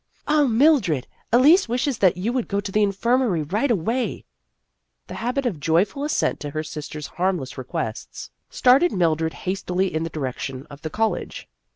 " Oh, Mildred, Elise wishes that you would go to the infirmary right away !" The habit of joyful assent to her sister's harmless requests started Mildred hastily in the direction of the college.